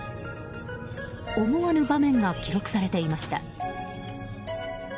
思わぬ場面が記録されていました。